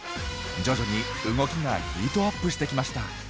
徐々に動きがヒートアップしてきました。